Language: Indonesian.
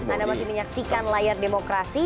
anda masih menyaksikan layar demokrasi